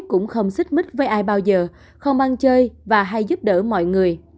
cũng không xích mít với ai bao giờ không ăn chơi và hay giúp đỡ mọi người